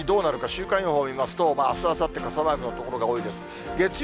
週間予報を見ますと、あす、あさって、傘マークの所が多いです。